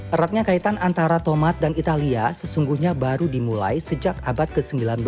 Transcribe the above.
eratnya kaitan antara tomat dan italia sesungguhnya baru dimulai sejak abad ke sembilan belas